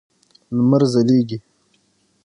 لمر ځلېږي.